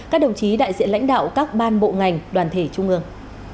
các đồng chí đại diện lãnh đạo các ban bộ ngành đoàn thể trung ương